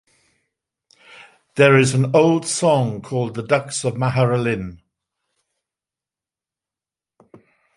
There is an old song called "The Ducks of Magheralin".